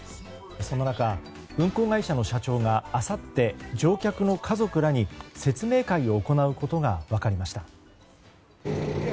そんな中運航会社の社長があさって乗客の家族らに説明会を行うことが分かりました。